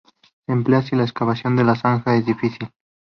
Se emplean si la excavación de la zanja es difícil.